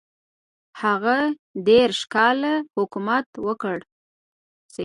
هغه دېرش کاله حکومت وکړ.